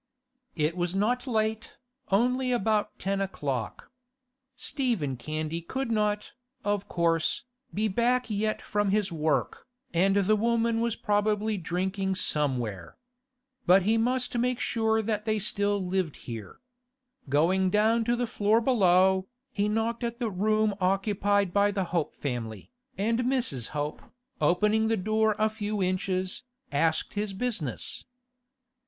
It was not late, only about ten o'clock. Stephen Candy could not, of course, be back yet from his work, and the woman was probably drinking somewhere. But he must make sure that they still lived here. Going down to the floor below, he knocked at the room occupied by the Hope family, and Mrs. Hope, opening the door a few inches, asked his business.